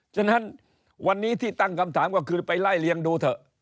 ฉะนั้นวันนี้ที่ตั้งคำถามก็คือไปไล่เลี้ยงดูเถอะ